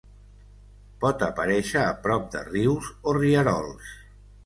Pot aparèixer a prop de rius o rierols.